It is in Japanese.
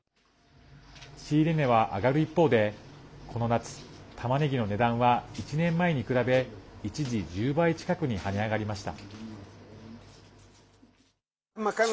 仕入れ値は上がる一方でこの夏、たまねぎの値段は１年前に比べ、一時１０倍近くに跳ね上がりました。